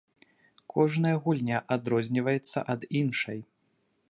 Кожная гульня адрозніваецца ад іншай.